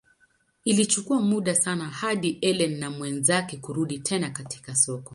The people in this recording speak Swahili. Ilichukua muda sana hadi Ellen na mwenzake kurudi tena katika soko.